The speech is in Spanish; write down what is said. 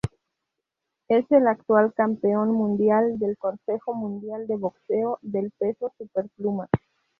Es el actual campeón mundial del Consejo Mundial de Boxeo del peso superpluma.